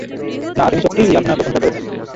না, তিনি সত্যিই আপনার প্রশংসা করেছেন।